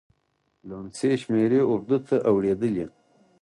لوڼسې شمېرې اردو ته اړېدلي.